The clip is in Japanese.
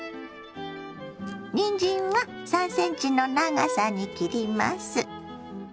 にんじんは３ｃｍの長さに切ります。